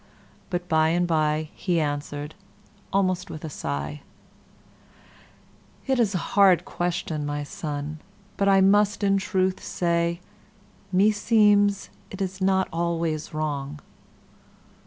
But by and by he answered, almost with a sigh, "It is a hard question, my son, but I must in truth say, meseems it is not always wrong."